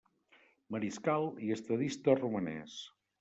Mariscal i estadista romanès.